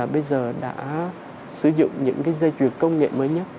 bây giờ đã sử dụng những dây chuyền công nghệ mới nhất